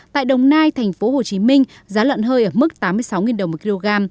tại đồng nai thành phố hồ chí minh giá lợn hơi ở mức tám mươi sáu đồng một kg